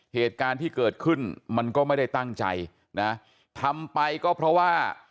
เหตุการณ์ที่เกิดขึ้นมันก็ไม่ได้ตั้งใจนะทำไปก็เพราะว่า